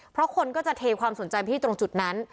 เพราะคนก็จะเทความสนใจไปที่ตรงจุดนั้น